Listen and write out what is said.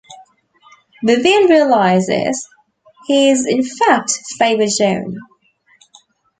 Vivian realizes he is in fact Faber John.